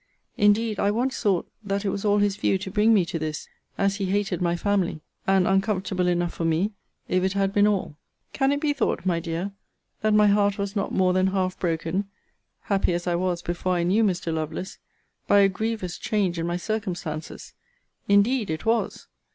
Indeed I once thought that it was all his view to bring me to this, (as he hated my family;) and uncomfortable enough for me, if it had been all. Can it be thought, my dear, that my heart was not more than half broken (happy as I was before I knew Mr. Lovelace) by a grievous change in my circumstances? Indeed it was.